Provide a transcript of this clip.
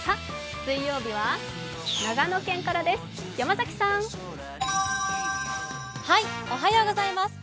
水曜日は、長野県からです。